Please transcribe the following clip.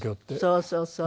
そうそうそう。